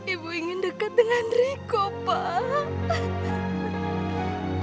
ibu ingin dekat dengan riko pak